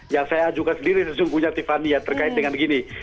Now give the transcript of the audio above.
yang saya ajukan sendiri sesungguhnya tiffany ya terkait dengan gini